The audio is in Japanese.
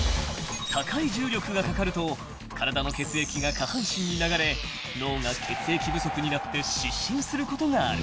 ［高い重力がかかると体の血液が下半身に流れ脳が血液不足になって失神することがある］